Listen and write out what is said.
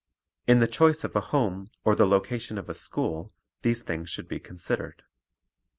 In the choice of a home or the location of a school these things should be considered.